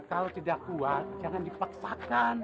kalau tidak kuat jangan dipaksakan